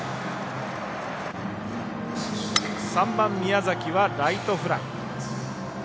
３番、宮崎はライトフライ。